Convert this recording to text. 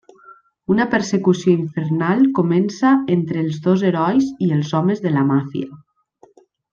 Una persecució infernal comença entre els dos herois i els homes de la màfia.